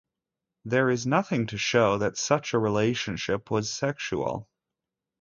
There is nothing to show that such a relationship was sexual.